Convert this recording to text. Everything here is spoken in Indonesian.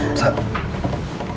di utara kota navanya